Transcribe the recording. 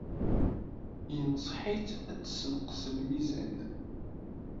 Yenṣeḥ-itt ad tessenqes lmizan.